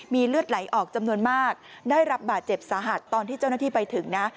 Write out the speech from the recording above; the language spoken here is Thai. มีเลือดไหลออกจำนวนมากได้รับบาดเจ็บสาหัสตอนที่เจ้าหน้าที่ไปถึงนะ